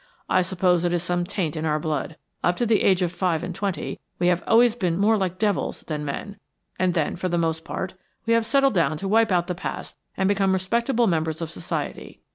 I suppose it is some taint in our blood. Up to the age of five and twenty, we have always been more like devils than men, and then, for the most part, we have settled down to wipe out the past and become respectable members of society.